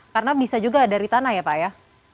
karena bisa juga dari tanah ya pak ya